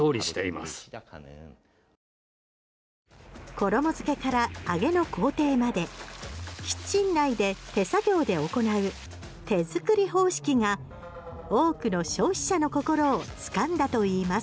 衣付けから揚げの工程までキッチン内で手作業で行う手作り方式が多くの消費者の心を掴んだといいます。